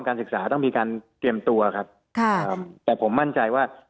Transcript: การศึกษาต้องมีการเตรียมตัวครับแต่ผมมั่นใจว่า